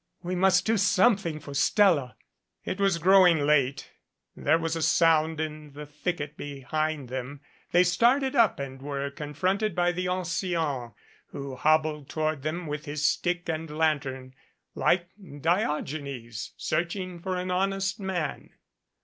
We must do something for Stella." It was growing late. There was a sound in the thicket behind them. They started up and were confronted by the ancien, who hobbled toward them, with his stick and lantern, like Diogenes searching for an honest man.